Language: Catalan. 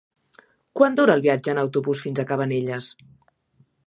Quant dura el viatge en autobús fins a Cabanelles?